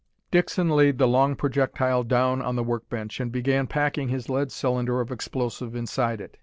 Dixon laid the long projectile down on the work bench, and began packing his lead cylinder of explosive inside it.